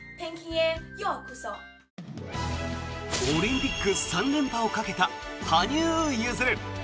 オリンピック３連覇をかけた羽生結弦。